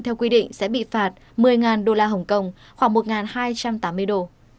theo quy định sẽ bị phạt một mươi đô la hồng kông khoảng một hai trăm tám mươi đô